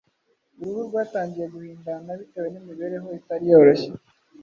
uruhu rwatangiye guhindana bitewe n’imibereho itari yoroshye.